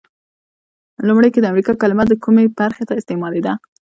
لومړیو کې د امریکا کلمه د کومې برخې ته استعمالیده؟